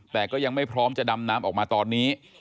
แต่ก็ยังไม่พร้อมจะดำน้ำออกมาตอนนี้